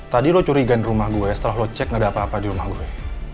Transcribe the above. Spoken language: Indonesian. tadi lo curigaan rumah gue setelah lo cek gak ada apa apa di rumah gue